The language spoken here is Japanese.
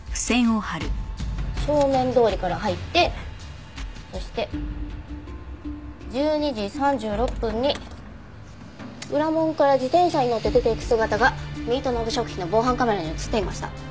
正面通りから入ってそして１２時３６分に裏門から自転車に乗って出ていく姿がミートノーブ食品の防犯カメラに映っていました。